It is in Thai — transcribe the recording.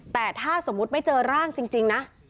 แต่ถ้าสมมุติไม่เจอร่างจริงนะ